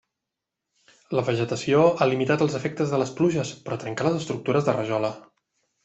La vegetació ha limitat els efectes de les pluges, però trenca les estructures de rajola.